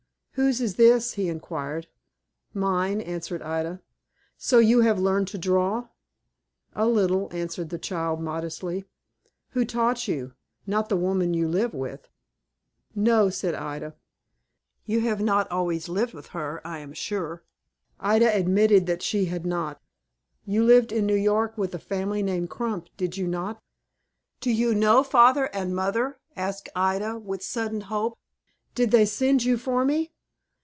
"Whose is this?" he inquired. "Mine," answered Ida. "So you have learned to draw?" "A little," answered the child, modestly. "Who taught you? Not the woman you live with?" "No;" said Ida. "You have not always lived with her, I am sure." Ida admitted that she had not. "You lived in New York with a family named Crump, did you not?" "Do you know father and mother?" asked Ida, with sudden hope. "Did they send you for me?"